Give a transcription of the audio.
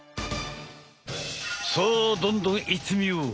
さあどんどんいってみよう！